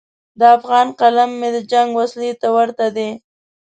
د افغان قلم هم د جنګ وسلې ته ورته دی.